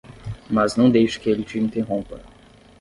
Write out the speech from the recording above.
Mas não deixe que ele te interrompa.